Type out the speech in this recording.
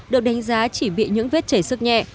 được đánh giá chỉ bị những vết chảy sức nhẹ